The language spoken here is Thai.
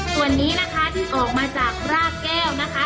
ส่วนนี้นะคะที่ออกมาจากรากแก้วนะคะ